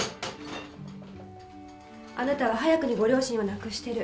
あなたは早くにご両親を亡くしてる